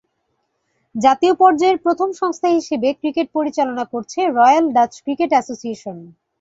জাতীয় পর্যায়ের প্রথম সংস্থা হিসেবে ক্রিকেট পরিচালনা করছে রয়্যাল ডাচ ক্রিকেট অ্যাসোসিয়েশন।